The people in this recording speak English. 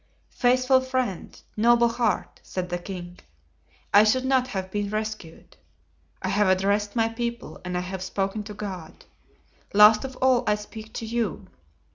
"Faithful friend, noble heart!" said the king, "I should not have been rescued. I have addressed my people and I have spoken to God; last of all I speak to you.